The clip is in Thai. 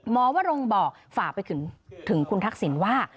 วรงบอกฝากไปถึงคุณทักษิณว่า